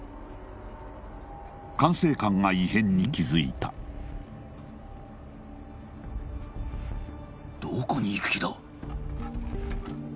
管制官が異変に気づいたどこに行く気だ？